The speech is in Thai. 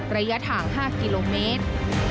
ระยะทาง๕กิโลเมตร